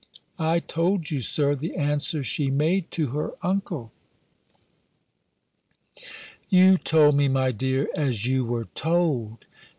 I told you, Sir, the answer she made to her uncle." "You told me, my dear, as you were told.